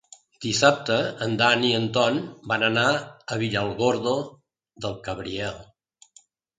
Dissabte en Dan i en Ton van a Villargordo del Cabriel.